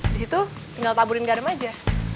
di situ tinggal taburin garam aja